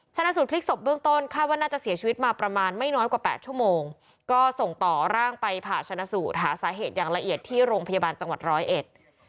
ชนะสูตรพลิกศพเบื้องต้นคาดว่าน่าจะเสียชีวิตมาประมาณไม่น้อยกว่าแปดชั่วโมงก็ส่งต่อร่างไปผ่าชนะสูตรหาสาเหตุอย่างละเอียดที่โรงพยาบาลจังหวัดร้อยเอ็ด